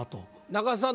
中田さん